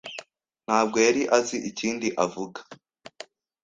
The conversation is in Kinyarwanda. ntabwo yari azi ikindi avuga.